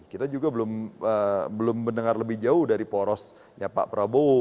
kita juga belum mendengar lebih jauh dari porosnya pak prabowo